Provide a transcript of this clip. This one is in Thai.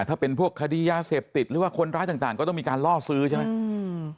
ถ้าเป็นพวกคดียาเสพติดหรือว่าคนร้ายต่างต่างก็ต้องมีการล่อซื้อใช่ไหมอืม